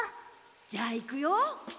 じゃあいくよ。